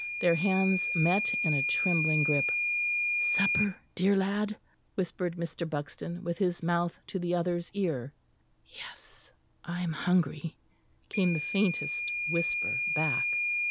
Their hands met in a trembling grip. "Supper, dear lad?" whispered Mr. Buxton, with his mouth to the other's ear. "Yes, I am hungry," came the faintest whisper back.